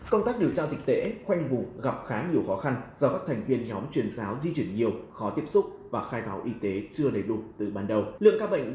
công tác điều tra dịch tễ khoanh vùng gặp khá nhiều khó khăn do các thành viên nhóm chuyển giáo di chuyển nhiều khó tiếp xúc và khai báo y tế chưa đầy đủ từ ban đầu